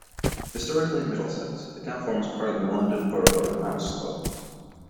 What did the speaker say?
Historically in Middlesex, it now forms part of the London Borough of Hounslow.